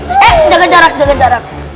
eh jaga jarak jaga jarak